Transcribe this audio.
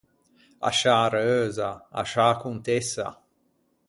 A sciâ Reusa, a sciâ contessa.